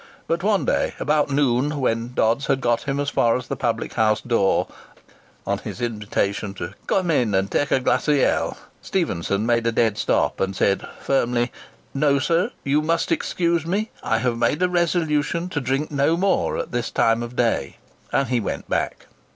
But one day, about noon, when Dodds had got him as far as the public house door, on his invitation to "come in and take a glass o' yel," Stephenson made a dead stop, and said, firmly, "No, sir, you must excuse me; I have made a resolution to drink no more at this time of day." And he went back.